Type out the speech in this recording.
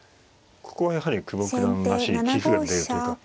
ここはやはり久保九段らしい棋風が出るというか。